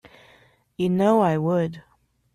You know I would.